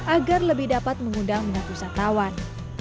agar lebih dapat mengundang minat wisatawan